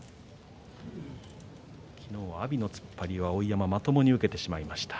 昨日は阿炎の突っ張りを碧山まともに受けてしまいました。